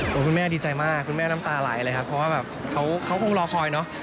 คุณแม่ดีใจมากคุณแม่น้ำตาไหลเลยครับเพราะว่าแบบเขาคงรอคอยเนอะ